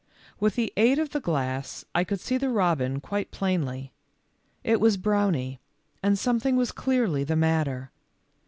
With the aid of the glass I could see the robin quite plainly. It was Brownie, and something was clearly the matter.